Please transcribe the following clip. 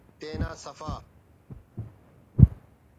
تینا سفا